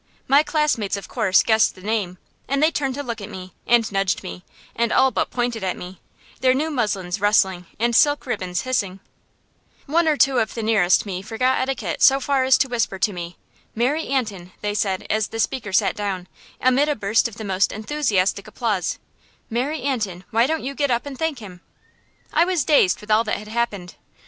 My classmates, of course, guessed the name, and they turned to look at me, and nudged me, and all but pointed at me; their new muslins rustling and silk ribbons hissing. One or two nearest me forgot etiquette so far as to whisper to me. "Mary Antin," they said, as the speaker sat down, amid a burst of the most enthusiastic applause, "Mary Antin, why don't you get up and thank him?" I was dazed with all that had happened.